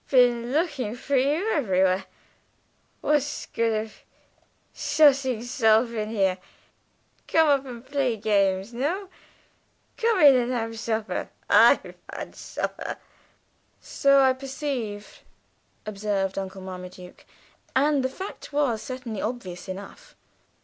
"Been lookin' for you everywhere. What's good of shutting 'self in here? Come up and play gamesh. No? Come in and have shupper. I've had shupper." "So I perceive," observed Uncle Marmaduke; and the fact was certainly obvious enough.